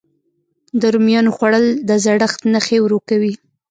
د رومیانو خووړل د زړښت نښې ورو کوي.